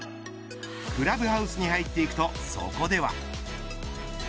クラブハウスに入っていくとそこでは。